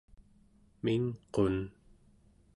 mingqun